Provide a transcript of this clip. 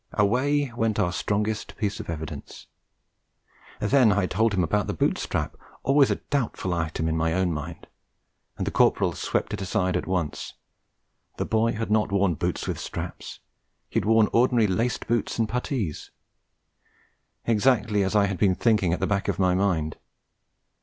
Away went our strongest piece of evidence! Then I told him about the boot strap, always a doubtful item in my own mind; and the Corporal swept it aside at once. The boy had not worn boots with straps; he had worn ordinary laced boots and puttees; exactly as I had been thinking at the back of my mind.